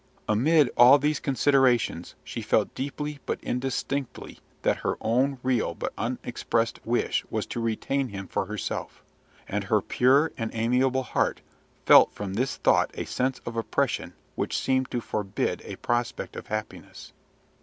Amid all these considerations she felt deeply but indistinctly that her own real but unexpressed wish was to retain him for herself, and her pure and amiable heart felt from this thought a sense of oppression which seemed to forbid a prospect of happiness.